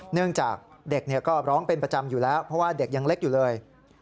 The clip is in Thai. เนื่องจากเด็กก็ร้องเป็นประจำอยู่แล้วเพราะว่าเด็กยังเล็กอยู่เลย